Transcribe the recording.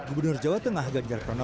gubernur jawa tengah ganjar pranowo